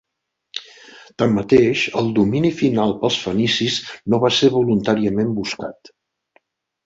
Tanmateix, el domini final pels fenicis no va ser voluntàriament buscat.